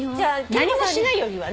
何もしないよりはね。